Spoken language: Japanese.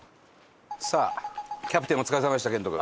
さあキャプテンお疲れさまでした遣都君。